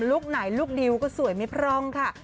คไหนลูกดิวก็สวยไม่พร่องค่ะ